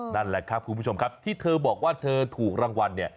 นั่นแหละครับคุณผู้ชมครับที่เธอบอกว่าเธอถูกรางวัลเนี่ย